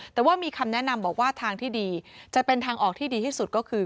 แต่ว่ามีคำแนะนำบอกว่าทางที่ดีจะเป็นทางออกที่ดีที่สุดก็คือ